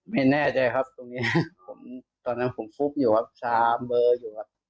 ไม่แน่ใจครับตรงนี้ผมตอนนั้นผมฟุบอยู่ครับชาเบอร์อยู่ครับ